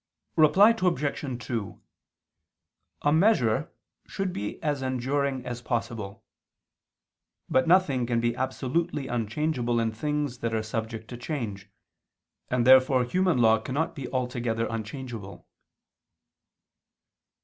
Reply Obj. 2: A measure should be as enduring as possible. But nothing can be absolutely unchangeable in things that are subject to change. And therefore human law cannot be altogether unchangeable.